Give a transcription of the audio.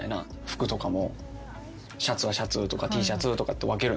服とかもシャツはシャツとかＴシャツとかって分けるんで。